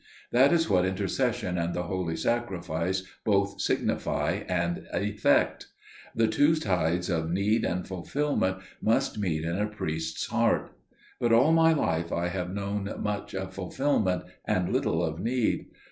That is what intercession and the Holy Sacrifice both signify and effect. The two tides of need and fulfilment must meet in a priest's heart. But all my life I have known much of fulfilment and little of need.